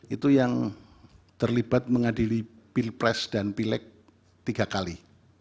itu yang terlibat mengadili pilpres dan pileg tiga kali